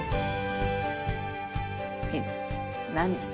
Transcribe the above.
えっ何？